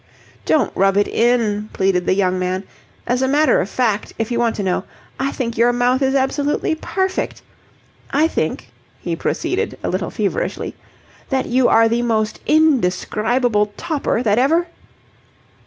"Don't rub it in," pleaded the young man. "As a matter of fact, if you want to know, I think your mouth is absolutely perfect. I think," he proceeded, a little feverishly, "that you are the most indescribable topper that ever..."